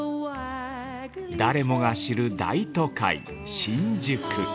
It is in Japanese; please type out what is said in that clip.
◆誰もが知る大都会・新宿。